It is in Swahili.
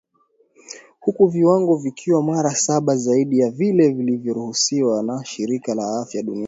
huku viwango vikiwa mara saba zaidi ya vile vinavyoruhusiwa na shirika la afya duniani